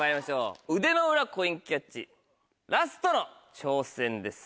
腕の裏コインキャッチラストの挑戦です。